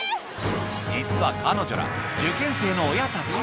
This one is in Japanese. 実は彼女ら、受験生の親たち。